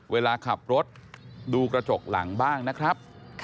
เวลาขับรถดูกระจกหลังบ้างนะครับ